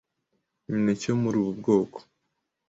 Imineke yo muri ubu bwoko